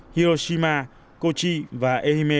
hiroshima kochi và ehime